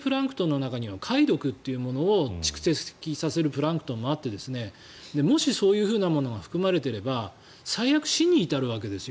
プランクトンの中には貝毒を蓄積するプランクトンもあってもしそういうものが含まれていれば最悪、死に至るわけですよ